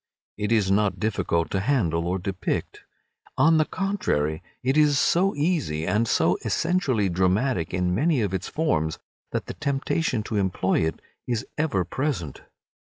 It is not difficult to handle or depict. On the contrary, it is so easy, and so essentially dramatic in many of its forms, that the temptation to employ it is ever present.